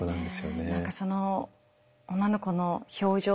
その女の子の表情